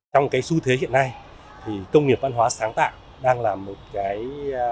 trong cái xu thế hiện nay thì công nghiệp văn hóa sáng tạo đang là một cái